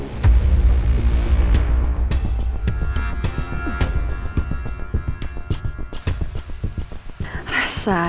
jangan lupa untuk berlangganan